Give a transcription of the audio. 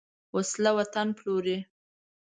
وسله وطن پلوروي